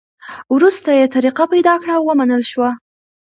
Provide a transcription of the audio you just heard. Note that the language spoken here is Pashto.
وروسته یې طریقه پیدا کړه؛ ومنل شوه.